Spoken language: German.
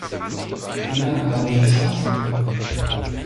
Wie lange habe ich geschlafen?